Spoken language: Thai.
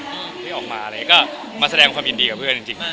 ได้ออกมาเลยก็แสดงความยินดีกับเพื่อนจริงมึง